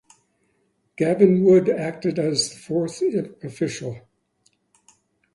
Gavin Wood acted as the fourth official.